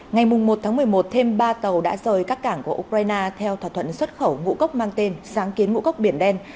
ngày một một mươi một thêm ba tàu đã rời các cảng của ukraine theo thỏa thuận xuất khẩu ngũ cốc mang tên sáng kiến ngũ cốc biển đen